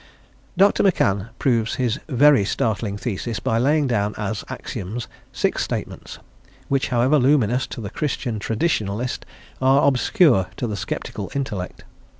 Dr. McCann proves his very startling thesis by laying down as axioms six statements, which, however luminous to the Christian traditionalist, are obscure to the sceptical intellect.